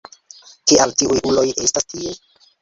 Kial tiuj uloj estas tie?